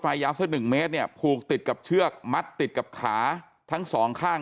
ยาวสักหนึ่งเมตรเนี่ยผูกติดกับเชือกมัดติดกับขาทั้งสองข้าง